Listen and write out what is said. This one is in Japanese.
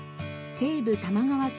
西武多摩川線